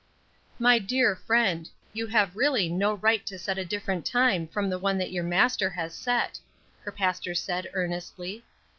"My dear friend, you have really no right to set a different time from the one that your Master has set," her pastor said, earnestly.